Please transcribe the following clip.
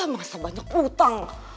masa banyak hutang